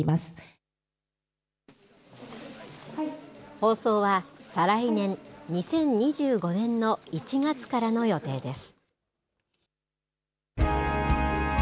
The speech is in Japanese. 放送は再来年、２０２５年の１月からの予定です。